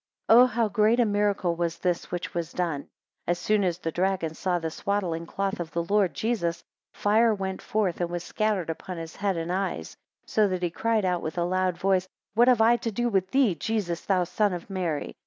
18 Oh! how great a miracle was this, which was done: as soon as the dragon saw the swaddling cloth of the Lord Jesus, fire went forth and was scattered upon his head and eyes; so that he cried out with a loud voice, What have I to do with thee, Jesus, thou son of Mary?